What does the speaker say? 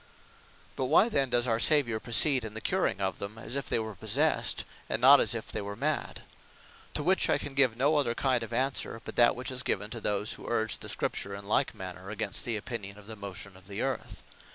But why then does our Saviour proceed in the curing of them, as if they were possest; and not as if they were mad. To which I can give no other kind of answer, but that which is given to those that urge the Scripture in like manner against the opinion of the motion of the Earth.